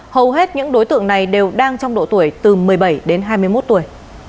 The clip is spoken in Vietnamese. hầu hết những đối tượng này đều đang trong độ tuổi từ một mươi bảy đến hai mươi một tuổi